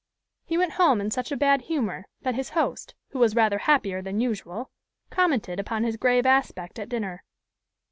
He went home in such a bad humor that his host, who was rather happier than usual, commented upon his grave aspect at dinner.